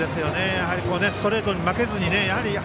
やはりストレートに負けずに。